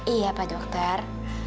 iya pak dokter